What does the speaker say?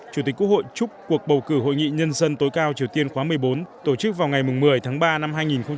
chủ tịch quốc hội chúc cuộc bầu cử hội nghị nhân dân tối cao triều tiên khóa một mươi bốn tổ chức vào ngày một mươi tháng ba năm hai nghìn hai mươi